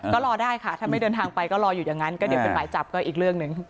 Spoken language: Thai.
ก็รอได้ค่ะถ้าไม่เดินทางไปก็รออยู่อย่างนั้นก็เดี๋ยวเป็นหมายจับก็อีกเรื่องหนึ่ง